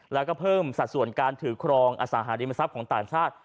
แล้วก็เพิ่มสัดส่วนการถือครองอสังหาริมทรัพย์ของต่างชาติ